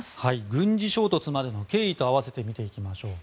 軍事衝突までの経緯と併せて見ていきましょう。